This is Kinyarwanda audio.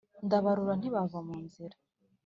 ndabarora ntibava mu nzira